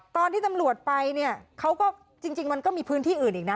ตอนที่ตำรวจไปเนี่ยเขาก็จริงมันก็มีพื้นที่อื่นอีกนะ